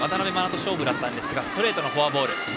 翔勝負だったんですがストレートのフォアボール。